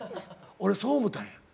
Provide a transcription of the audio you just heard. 俺そう思たんや。